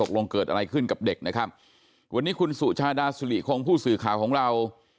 ลงเกิดอะไรขึ้นกับเด็กนะครับวันนี้คุณสุชาดาสุริคงผู้สื่อข่าวของเรา